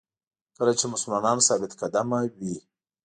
کله چې مسلمان ثابت قدمه وي.